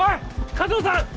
加藤さん！